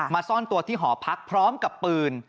ซ่อนตัวที่หอพักพร้อมกับปืน